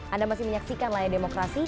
anda masih menyaksikan layar demokrasi